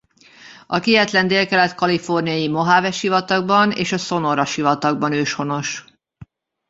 A kietlen délkelet-kaliforniai Mojave-sivatagban és a Sonora-sivatagban őshonos.